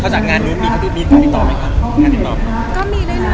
ข้างจากงานนู้นมีทำไมขอติดต่อไหมค่ะ